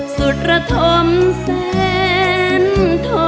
สุรธมเซ็นทม